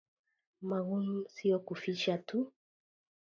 Magumu sio kufisha tu